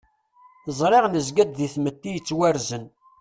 Ẓriɣ nezga-d deg tmetti yettwarzen.